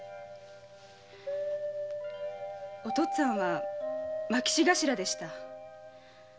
お父っつぁんは牧士頭でした。